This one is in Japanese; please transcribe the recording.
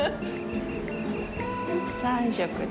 ３色で。